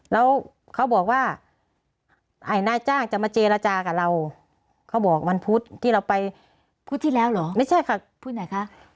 แล้วเขาบอกว่าไอ้นายจ้างจะมาเจรจากับเราเขาบอกวันพุธที่เราไปพุธที่แล้วเหรอไม่ใช่ค่ะพุธไหนคะ